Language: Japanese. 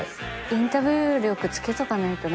インタビュー力つけとかないとな。